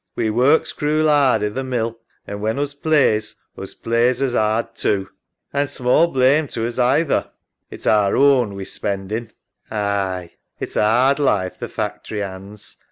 We works cruel 'ard in th' mill, an', when us plays, us plays as 'ard too, an' small blame to us either. It's our own we're spendin'. SARAH. Aye. It's a 'ard life, the factory 'and's.